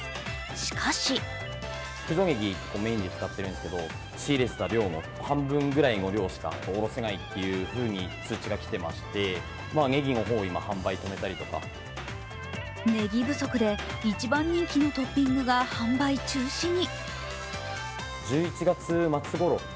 しかしねぎ不足で、一番人気のトッピングが販売中止に。